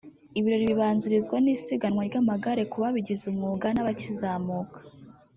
Ibirori bizabanzirizwa n’isiganwa ry’amagare ku babigize umwuga n’abakizamuka